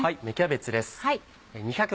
芽キャベツです。